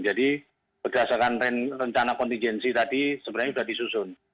jadi berdasarkan rencana kontingensi tadi sebenarnya sudah disusun